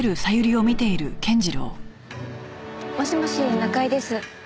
もしもし中井です。